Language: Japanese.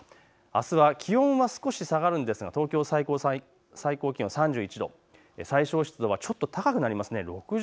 あすは気温は少し下がるのですが東京、最高気温３１度、最小湿度はちょっと高くなります。